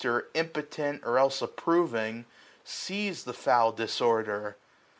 Or impotent, or else approving, sees The foul disorder.